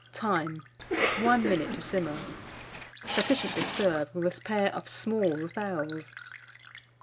Time. 1 minute to simmer. Sufficient to serve with a pair of small fowls.